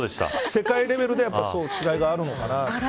世界レベルでは違いがあるのかなって。